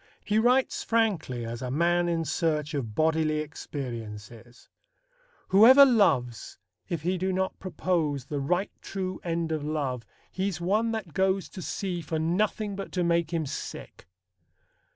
He writes frankly as a man in search of bodily experiences: Whoever loves, if he do not propose The right true end of love, he's one that goes To sea for nothing but to make him sick.